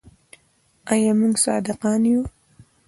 آیا موږ صادقان یو؟